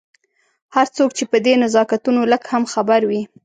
هر څوک چې په دې نزاکتونو لږ هم خبر وي.